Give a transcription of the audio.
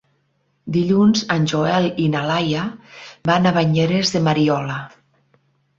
Dilluns en Joel i na Laia van a Banyeres de Mariola.